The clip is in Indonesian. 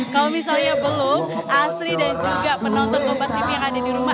kalau misalnya belum asri dan juga penonton lomba tv yang ada di rumah